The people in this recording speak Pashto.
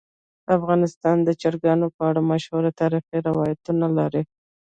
افغانستان د چرګانو په اړه مشهور تاریخی روایتونه لري.